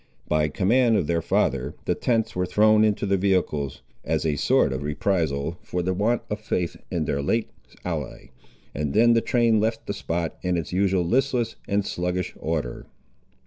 By command of their father, the tents were thrown into the vehicles, as a sort of reprisal for the want of faith in their late ally, and then the train left the spot, in its usual listless and sluggish order.